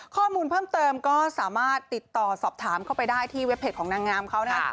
ข้อมูลเพิ่มเติมก็สามารถติดต่อสอบถามเข้าไปได้ที่เว็บเพจของนางงามเขานะครับ